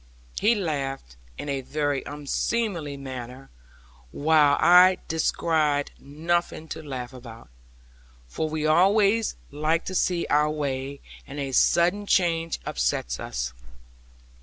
He laughed in a very unseemly manner; while I descried nothing to laugh about. For we always like to see our way; and a sudden change upsets us.